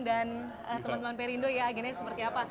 dan teman teman perindo ya agennya seperti apa